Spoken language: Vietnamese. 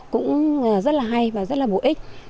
cũng rất là hay và rất là bổ ích